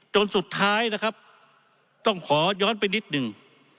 จนสุดท้ายนะครับต้องขอย้อนไปนิดหนึ่ง